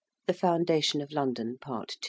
THE FOUNDATION OF LONDON. PART II.